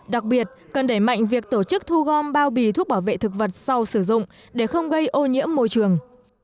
đặc biệt cần đẩy mạnh việc tổ chức thu gom bao bì thuốc bảo vệ thực vật sau sử dụng để không gây ô nhiễm môi trường